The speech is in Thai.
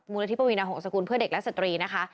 ลธิปวีนาหงษกุลเพื่อเด็กและสตรีนะคะ